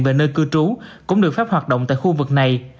về nơi cư trú cũng được phép hoạt động tại khu vực này